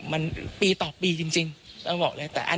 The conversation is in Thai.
คุณผู้ชมฟังเสียงคุณธนทัศน์เล่ากันหน่อยนะคะ